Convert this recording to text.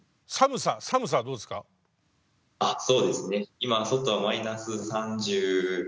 今外はマイナス３３度ぐらい。